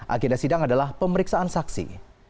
agenda sidang adalah pemeriksaan saksi